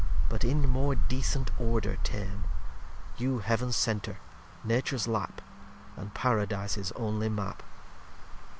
But in more decent Order tame; You Heaven's Center, Nature's Lap. And Paradice's only Map.